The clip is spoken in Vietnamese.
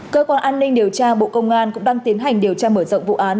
cơ quan an ninh điều tra bộ công an cũng đang tiến hành điều tra mở rộng vụ án